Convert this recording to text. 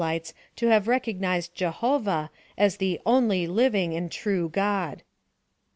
65 ites to have recognized Jehovah as the o)dt/lulng and tnie God.